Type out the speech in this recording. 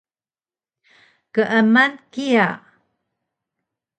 Keeman kiya